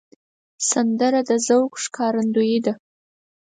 سندره د ذوق ښکارندوی ده